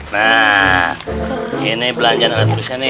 nah ini belanjaan anak tulisnya nih